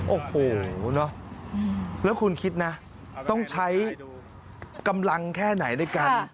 โอ้โหเนอะแล้วคุณคิดนะต้องใช้กำลังแค่ไหนในการ